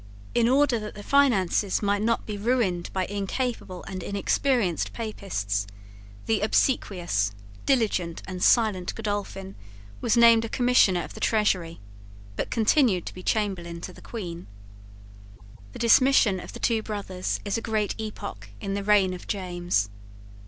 In order that the finances might not be ruined by incapable and inexperienced Papists, the obsequious, diligent and silent Godolphin was named a Commissioner of the Treasury, but continued to be Chamberlain to the Queen. The dismission of the two brothers is a great epoch in the reign of James.